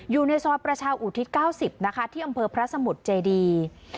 อยู่ในซอยประชาอุทิศ๙๐นะคะที่อำเภอพระสมุทรเจดี